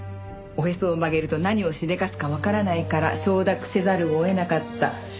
おへそを曲げると何をしでかすかわからないから承諾せざるを得なかった。